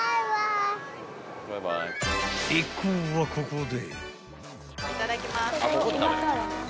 ［一行はここで］